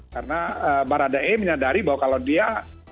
karena baradae menyadari bahwa kalau dia